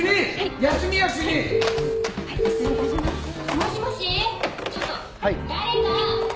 もしもーし！」